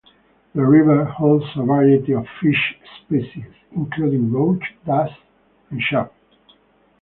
The river holds a variety of fish species, including roach, dace and chub.